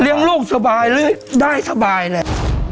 เรียงลูกสบายเลยได้สบายเลย